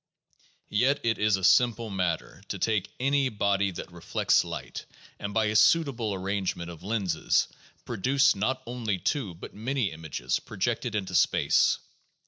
Yet it is a simple matter to take any body that reflects light, and by a suitable arrangement of lenses produce not only two but many images, projected into space.